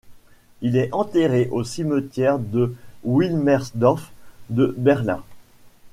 Il est enterré au cimetière de Wilmersdorf de Berlin.